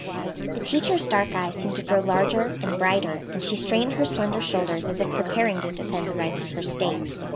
The teacher's dark eyes seemed to grow larger and brighter, and she straightened her slender shoulders as if preparing to defend the rights of her State.